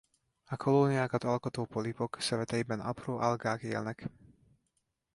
A kolóniákat alkotó polipok szöveteiben apró algák élnek.